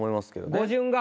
語順が？